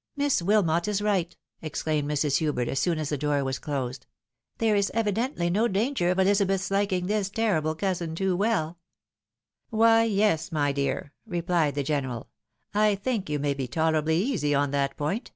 " Miss WUmot is right," exclaimed Mrs. Hubert, as soon as the door was closed. " There is evidently no danger of Eliza beth's liking this terrible coiisin too well." DANGER AND DEFENCES. 125 "Why, yes, my dear," replied the general, " I think you may be tolerably easy on that point.